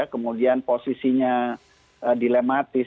kemudian posisinya dilematis